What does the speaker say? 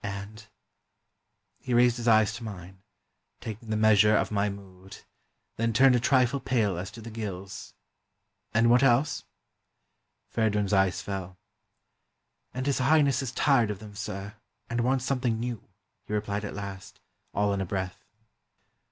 and —" He raised his eyes to mine, taking the measure of my mood, then turned a trifle pale as to the gills. "And what else?" Feridun's eyes fell. "And His Highness is tired of them, sir, and wants something new," he replied at last, all in a breath.